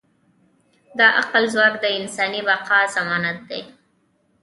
د عقل ځواک د انساني بقا ضمانت دی.